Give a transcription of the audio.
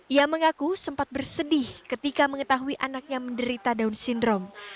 ia mengaku sempat bersedih ketika mengetahui anaknya menderita down syndrome